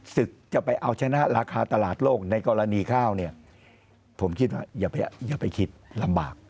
ศึกจะไปเอาชนะราคาตลาดโลกในกรณีข้าวเนี่ยผมคิดว่าอย่าไปคิดลำบาก